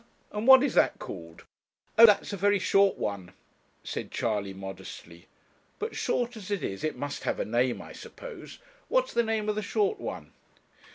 and what is that called?' 'Oh, that's a very short one,' said Charley, modestly. 'But, short as it is, it must have a name, I suppose. What's the name of the short one?'